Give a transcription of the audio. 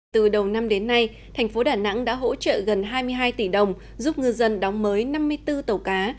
từ đầu năm đến nay thành phố đà nẵng đã hỗ trợ gần hai mươi hai tỷ đồng giúp ngư dân đóng mới năm mươi bốn tàu cá